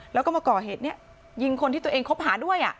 แล้วก็มาก่อเหตุนี้ยิงคนที่ตัวเองคบหาด้วย